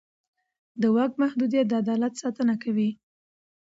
د واک محدودیت د عدالت ساتنه کوي